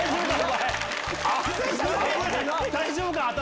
大丈夫か？